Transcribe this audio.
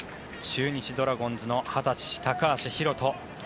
中日ドラゴンズの２０歳高橋宏斗。